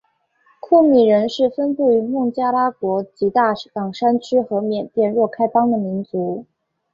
库米人是分布于孟加拉国吉大港山区和缅甸若开邦的民族。